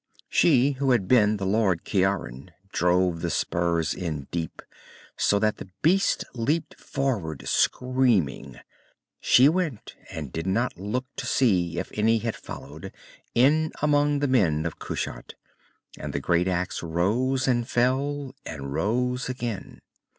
She who had been the Lord Ciaran drove the spurs in deep, so that the beast leaped forward screaming. She went, and did not look to see if any had followed, in among the men of Kushat. And the great axe rose and fell, and rose again.